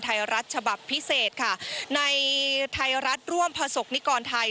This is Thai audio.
ไทยรัฐฉบับพิเศษค่ะในไทยรัฐร่วมประสบนิกรไทย